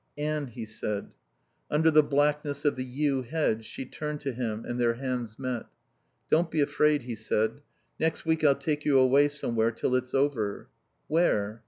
"Anne " he said. Under the blackness of the yew hedge she turned to him, and their hands met. "Don't be afraid," he said. "Next week I'll take you away somewhere till it's over." "Where?"